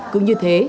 cứ như thế